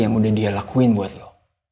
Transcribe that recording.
yang udah dia lakuin buat lo